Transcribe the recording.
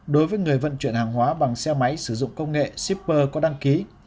đối với người vận chuyển hàng hóa bằng xe máy sử dụng công nghệ shipper có đăng ký